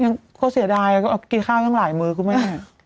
ยังก็เสียดายเอากินข้าวยังหลายมือกูแม่